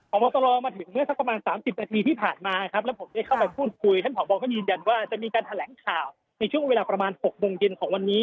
พบตรมาถึงเมื่อสักประมาณ๓๐นาทีที่ผ่านมาครับแล้วผมได้เข้าไปพูดคุยท่านผอบอก็ยืนยันว่าจะมีการแถลงข่าวในช่วงเวลาประมาณ๖โมงเย็นของวันนี้